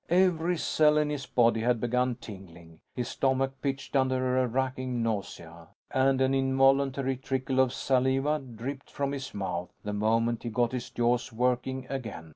Every cell in his body had begun tingling; his stomach pitched under a racking nausea; and an involuntary trickle of saliva dripped from his mouth the moment he got his jaws working again.